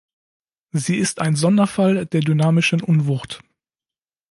Sie ist ein Sonderfall der dynamischen Unwucht.